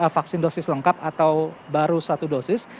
vaksin dosis lengkap atau baru satu dosis